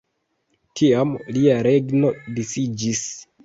Tiam lia regno disiĝis.